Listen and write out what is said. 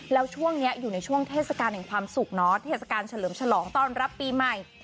แล้วช่วงนี้อยู่ในช่วงเทศกาลแห่งความสุขเนอะเทศกาลเฉลิมฉลองต้อนรับปีใหม่